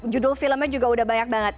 judul filmnya juga udah banyak banget